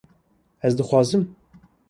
Ez dixwazim